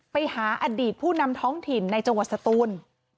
ไปหาอดีตผู้นำท้องถิ่นในจังหวัดสตูน